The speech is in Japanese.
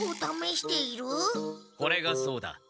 これがそうだ。